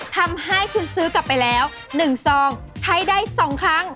ทำให้คุณซื้อกลับไปแล้ว๑ซองใช้ได้๒ครั้ง